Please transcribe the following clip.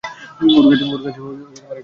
ওর কাছে একটা ক্যামেরা আছে।